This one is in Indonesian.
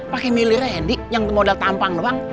pakai milih randy yang modal tampang doang